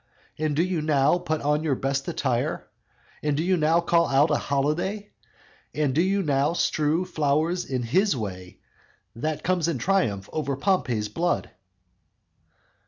And do you now put on your best attire? And do you now cull out a holiday? And do you now strew flowers in his way, That comes in triumph over Pompey's blood?"